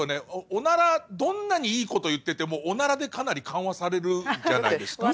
おならどんなにいいこと言っててもおならでかなり緩和されるじゃないですか。